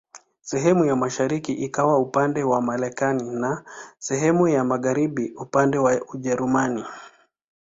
Sehemu ya mashariki ikawa upande wa Marekani na sehemu ya magharibi upande wa Ujerumani.